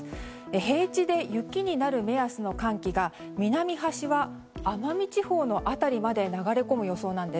平地で雪になる目安の寒気が南端は奄美地方の辺りまで流れ込む予想なんです。